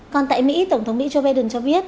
còn tại mỹ tổng thống mỹ joe biden cho biết